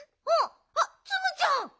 あっツムちゃん。